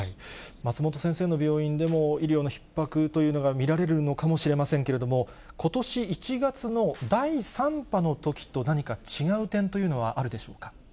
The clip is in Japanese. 松本先生の病院でも、医療のひっ迫というのが見られるのかもしれませんけれども、ことし１月の第３波のときと何か違う点というのはあるでしょうか。